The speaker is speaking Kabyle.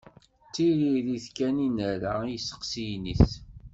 D tiririt kan i nerra i yesteqsiyen-is.